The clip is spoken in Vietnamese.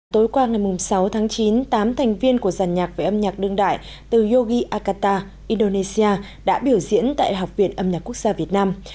tối qua ngày sáu tháng chín tám thành viên của giàn nhạc về âm nhạc đương đại từ yogi akata indonesia đã biểu diễn tại học viện âm nhạc quốc gia việt nam